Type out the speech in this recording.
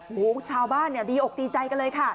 โหชาวบ้านดีอกตีใจกันเลยค่ะ